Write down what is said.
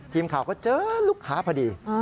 ทีมข่าวก็เจอลูกค้าพอดี